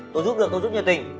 tôi giúp được tôi giúp như tình